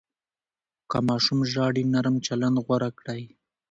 که ماشوم ژاړي، نرم چلند غوره کړئ.